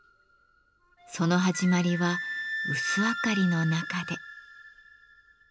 その始まりは薄明かりの中で。